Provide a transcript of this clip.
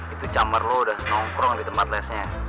itu cammer lo udah nongkrong di tempat lesnya